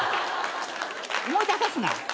思い出さすな。